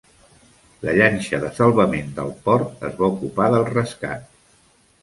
La llanxa de salvament del port es va ocupar del rescat.